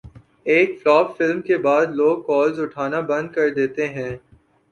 ایک flop film کے بعد لوگ کالز اٹھانا بند کردیتے ہیں